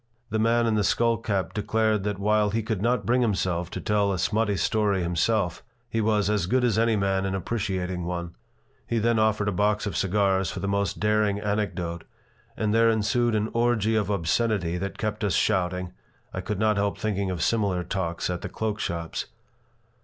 The man in the skull cap declared that while he could not bring himself to tell a smutty story himself, he was "as good as any man in appreciating one." He then offered a box of cigars for the most daring anecdote, and there ensued an orgy of obscenity that kept us shouting (I could not help thinking of similar talks at the cloak shops).